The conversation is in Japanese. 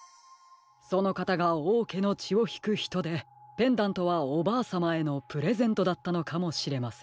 そのかたがおうけのちをひくひとでペンダントはおばあさまへのプレゼントだったのかもしれませんね。